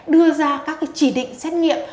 đưa ra các chỉ định xét nghiệm